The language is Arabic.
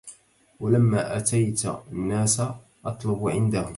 ولما أتيت الناس أطلب عندهم